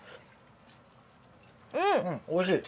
うんおいしい。